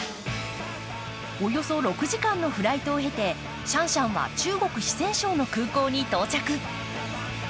およそ６時間のフライトを経てシャンシャンは中国・四川省の空港に到着。